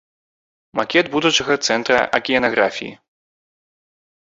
Макет будучага цэнтра акіянаграфіі.